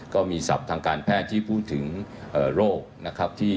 ก็มีศัพท์ทางการแพทย์ที่พูดถึงโรคนะครับ